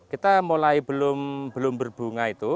kita mulai belum berbunga itu